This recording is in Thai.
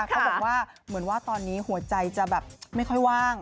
เขาบอกว่าเหมือนว่าตอนนี้หัวใจจะแบบไม่ค่อยว่าง